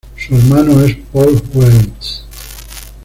Su hermano es Paul Weitz.